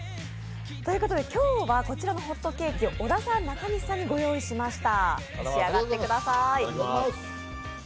今日はこちらのホットケーキを小田さん、中西さんにご用意しました。